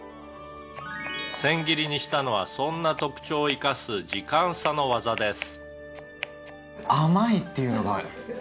「千切りにしたのはそんな特徴を生かす時間差の技です」